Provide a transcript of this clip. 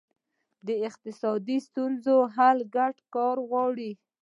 د اقتصادي ستونزو حل ګډ کار غواړي.